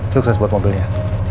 sukses buat mobilnya